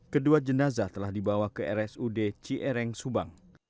kedua jenazah telah dibawa ke rsud ciereng subang